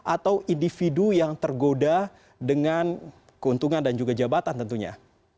atau individu yang tergoda dengan keuntungan dan juga jabatan tentunya